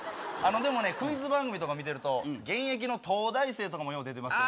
でもね、クイズ番組とか見てると、現役の東大生とかもよう出てますよね。